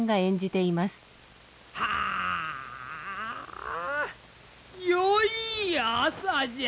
はあ良い朝じゃ。